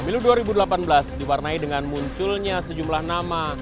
pemilu dua ribu delapan belas diwarnai dengan munculnya sejumlah nama